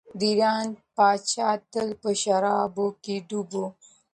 د ایران پاچا تل په شرابو کې ډوب و.